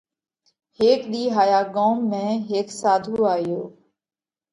ھيڪ ۮِي ھايا ڳوم ۾ ھيڪ ساڌُو آيو